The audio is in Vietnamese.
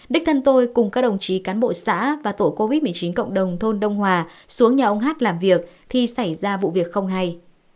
đích thân tôi cùng các đồng chí cán bộ xã và tổ covid một mươi chín cộng đồng thôn đông hòa xuống nhà ông hát làm việc thì xảy ra vụ việc không hay